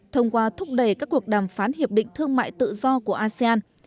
thông qua thúc đẩy các cuộc đàm phán hiệp định thương mại tự do của asean